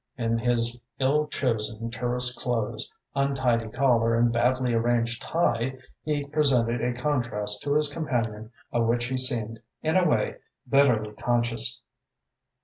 In his ill chosen tourist clothes, untidy collar and badly arranged tie, he presented a contrast to his companion of which he seemed, in a way, bitterly conscious.